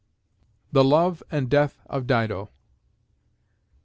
THE LOVE AND DEATH OF DIDO.